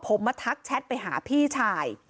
ผมมาทักแชทไปหาพี่ชาย